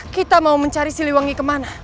kita mau mencari siliwangi kemana